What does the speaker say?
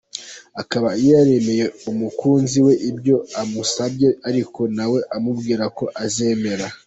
akaba yemereye umukunzi we ibyo amusabye ariko nawe amubwira ko azemera.